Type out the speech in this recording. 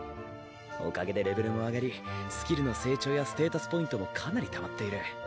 おかげでレベルも上がりスキルの成長やステータスポイントもかなりたまっている。